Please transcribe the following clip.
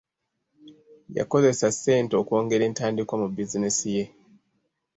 Yakozesa ssente okwongera entandikwa mu bizinesi ye.